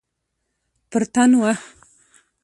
پر تن وه.